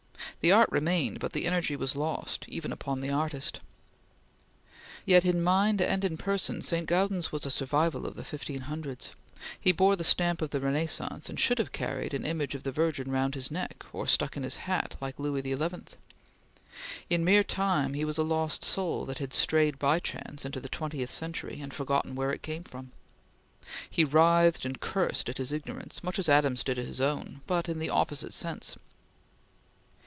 The art remained, but the energy was lost even upon the artist. Yet in mind and person St. Gaudens was a survival of the 1500s he bore the stamp of the Renaissance, and should have carried an image of the Virgin round his neck, or stuck in his hat, like Louis XI. In mere time he was a lost soul that had strayed by chance to the twentieth century, and forgotten where it came from. He writhed and cursed at his ignorance, much as Adams did at his own, but in the opposite sense.